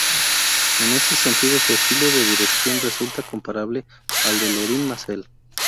En ese sentido su estilo de dirección resulta comparable al de Lorin Maazel.